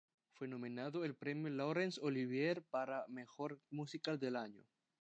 Fue nominado al Premio Laurence Olivier para Mejor Musical del Año.